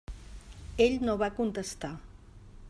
Ell no va contestar.